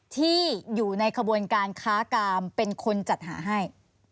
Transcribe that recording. ที่อยู่ในขบวนการค้ากามเป็นคนจัดหาให้